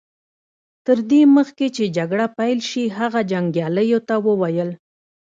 تر دې مخکې چې جګړه پيل شي هغه جنګياليو ته وويل.